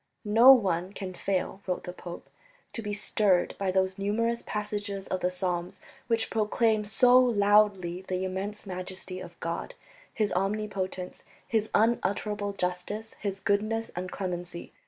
"No one can fail," wrote the pope, "to be stirred by those numerous passages of the Psalms which proclaim so loudly the immense majesty of God, His omnipotence, His unutterable justice, His goodness and clemency